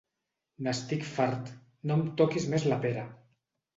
N'estic fart, no em toquis més la pera!